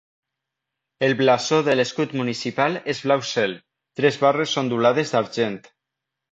El blasó de l'escut municipal és blau cel, tres barres ondulades d'argent.